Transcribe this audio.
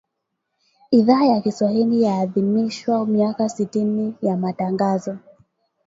Idhaa ya Kiswahili yaadhimisha miaka sitini ya Matangazo